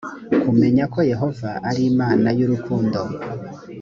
kumenya ko yehova ari imana y’urukundo